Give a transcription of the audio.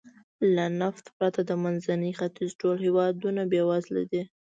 له نفت پرته د منځني ختیځ ټول هېوادونه بېوزله دي.